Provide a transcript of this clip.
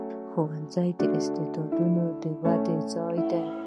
ښوونځی د استعدادونو د ودې ځای دی.